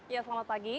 ya selamat pagi